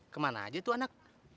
kemana aja tuh anak